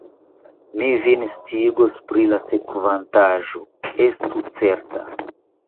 Mi vin sciigos pri la sekvantaĵo, estu certa!